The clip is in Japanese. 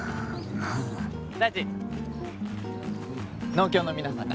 農協の皆さんが。